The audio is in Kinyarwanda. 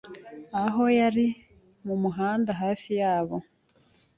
aho yari mu muhanda hafi yabo,